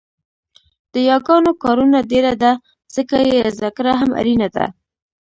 د یاګانو کارونه ډېره ده ځکه يې زده کړه هم اړینه ده